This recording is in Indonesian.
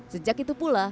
sejak itu pula